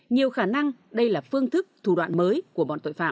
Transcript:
nhiều khả năng đây là phương thức thủ đoạn mới của bọn tội phạm